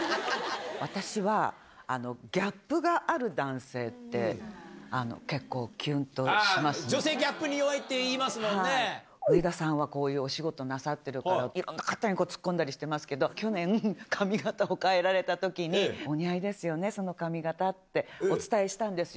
私は、ギャップがある男性って、結構、女性、ギャップに弱いって言上田さんはこういうお仕事なさってるから、いろんな方に突っ込んだりしてますけど、去年、髪形を変えられたときに、お似合いですよね、その髪形ってお伝えしたんです。